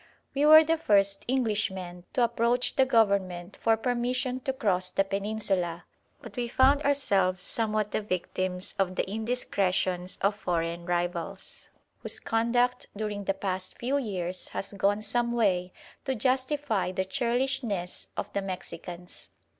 We were the first Englishmen to approach the Government for permission to cross the Peninsula, but we found ourselves somewhat the victims of the indiscretions of foreign rivals, whose conduct during the past few years has gone some way to justify the churlishness of the Mexicans.